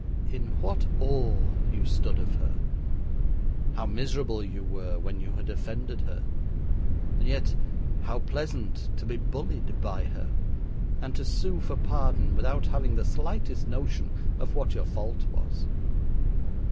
In what awe you stood of her! How miserable you were when you had offended her! And yet, how pleasant to be bullied by her and to sue for pardon without having the slightest notion of what your fault was!